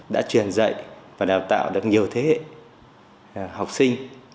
đã truyền dạy và đào tạo được nhiều thế hệ học sinh